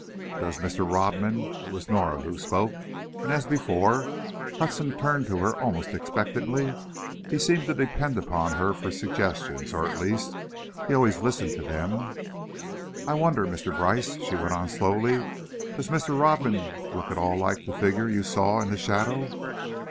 "Does Mr. Rodman," it was Norah who spoke, and as before, Hudson turned to her almost expectantly he seemed to depend on her for suggestions, or at least, he always listened to them "I wonder, Mr. Brice," she went on slowly, "does Mr. Rodman look at all like the figure you saw in the shadow?"